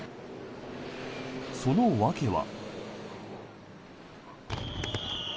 その訳は。